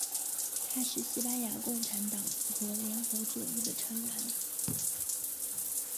他是西班牙共产党和联合左翼的成员。